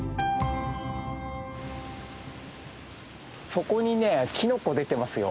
そこにねキノコ出てますよ。